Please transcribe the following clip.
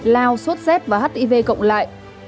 lao sốt xét và hiv cộng lại